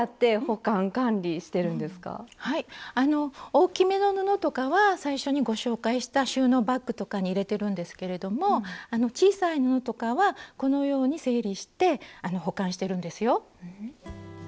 大きめの布とかは最初にご紹介した収納バッグとかに入れてるんですけれども小さい布とかはこのように整理して保管してるんですよ。